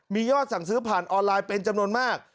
มียอดสั่งซื้อผ่านออนไลน์เป็นจำนวนมาก